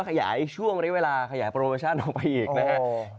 ขยายช่วงเรียกเวลาขยายประมาณประชาติออกไปอีกนะครับ